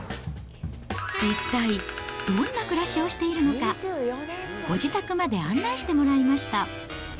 一体どんな暮らしをしているのか、ご自宅まで案内してもらいました。